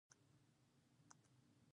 یوه هلک د خپلو کچکول کې د غلو دانه اچوله.